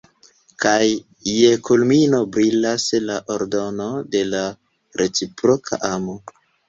Kaj je kulmino brilas la ordono de la reciproka amo.